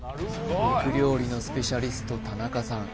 肉料理のスペシャリスト田中さん